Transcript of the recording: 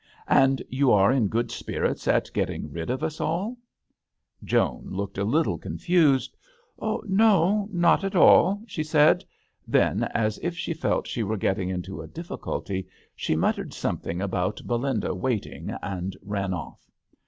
" And you are in good spirits at getting rid of us all ?" THE hAtEL D'aNGLETERRE. 27 Joan looked a little confused. ''N09 not all/' she said; then, as if she felt she were getting into a difficulty, she muttered something about Belinda waiting, and ran off.